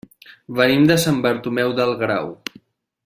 Venim de Sant Bartomeu del Grau.